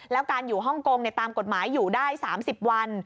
แล้วการอยู่ฮ่องกงตามกฎหมายอยู่ได้๓๐วัน